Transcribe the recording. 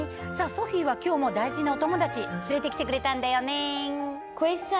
ソフィーは今日も大事なお友達連れてきてくれたんだよねえ。